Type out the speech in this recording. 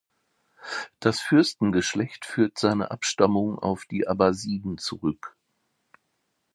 Das Fürstengeschlecht führt seine Abstammung auf die Abbasiden zurück.